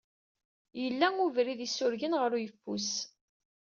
Yella ubrid isurgen ɣer yeffus.